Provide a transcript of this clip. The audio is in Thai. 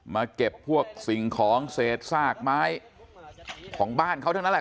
มาเก็บพวกสิ่งของเศษซากไม้ของบ้านเขาทั้งนั้นแหละ